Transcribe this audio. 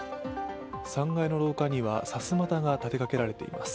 ３階の廊下には、さすまたが立てかけられています。